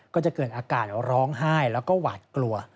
ก็จะเกิดอาการร้องไห้แล้วก็หวาดกลัว